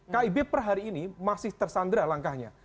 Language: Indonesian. kib per hari ini masih tersandra langkahnya